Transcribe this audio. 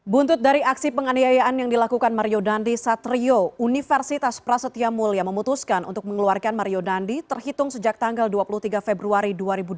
buntut dari aksi penganiayaan yang dilakukan mario dandi satrio universitas prasetya mulia memutuskan untuk mengeluarkan mario dandi terhitung sejak tanggal dua puluh tiga februari dua ribu dua puluh